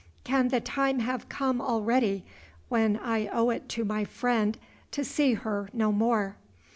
Can the time have come already when I owe it to my friend to see her no more?"